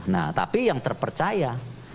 nah tapi yang terpercaya